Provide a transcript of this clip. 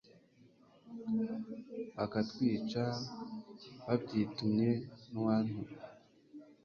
bakatwica babyitumye nuwatumye